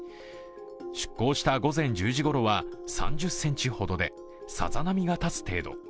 出航した午前１０時ごろは３０ｃｍほどでさざ波が立つ程度。